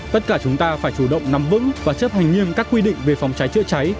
tất cả chúng ta phải chủ động nắm vững và chấp hành nghiêm các quy định về phòng cháy chữa cháy